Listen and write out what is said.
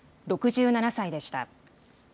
６７歳でした。